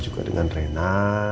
udah ketemu dengan reona